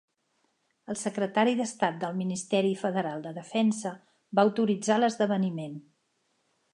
El Secretari d'Estat del Ministeri Federal de Defensa va autoritzar l'esdeveniment.